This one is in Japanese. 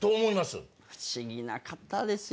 不思議な方ですよ